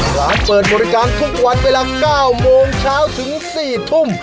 ร้านเปิดบริการทุกวันเวลา๙โมงเช้าถึง๔ทุ่ม